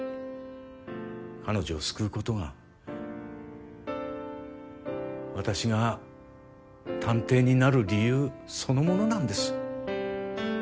彼女を救うことが私が探偵になる理由そのものなんです。